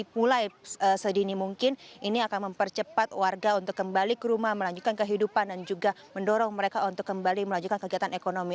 mulai sedini mungkin ini akan mempercepat warga untuk kembali ke rumah melanjutkan kehidupan dan juga mendorong mereka untuk kembali melanjutkan kegiatan ekonomi